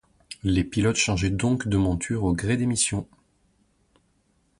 Les pilotes changeaient donc de montures au gré des missions.